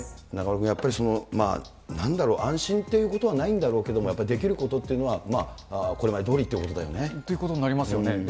中丸君、やっぱり、なんだろう、安心っていうことはないんだろうけど、やっぱりできることっていうのは、これまでどおりということだよね。ということになりますよね。